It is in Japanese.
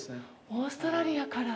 オーストラリアから？